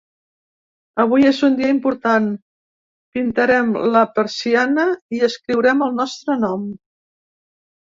Avui és un dia important: pintarem la persiana i escriurem el nostre nom.